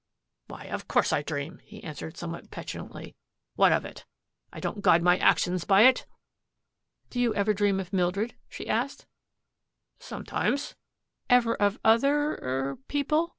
"Why, of course I dream," he answered somewhat petulantly. "What of it? I don't guide my actions by it." "Do you ever dream of Mildred?" she asked. "Sometimes," he admitted reluctantly. "Ever of other er people?"